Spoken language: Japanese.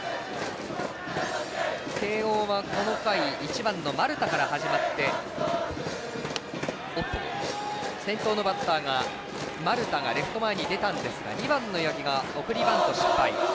慶応はこの回１番の丸田から始まって先頭のバッター、丸田がレフト前に出たんですが２番の八木が送りバント失敗。